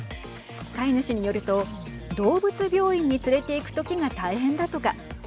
飼い主によると動物病院に連れていくときが大変だとか。